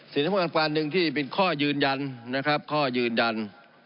ทั้งหมดอาการหนึ่งที่เป็นข้อยืนยันนะครับข้อยืนยัน